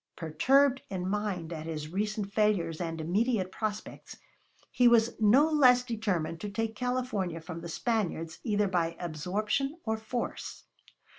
Perturbed in mind at his recent failures and immediate prospects, he was no less determined to take California from the Spaniards either by absorption or force.